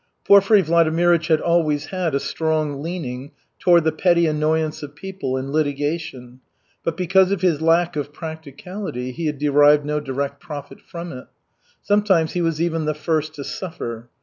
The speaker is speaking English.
Porfiry Vladimirych had always had a strong leaning toward the petty annoyance of people and litigation, but because of his lack of practicality he had derived no direct profit from it. Sometimes he was even the first to suffer.